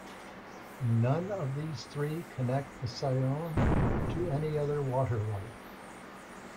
None of these three connect the Saône to any other waterway.